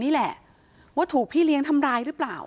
นี่แหละว่าถูกพี่เลี้ยงทำร้ายหรือเปล่า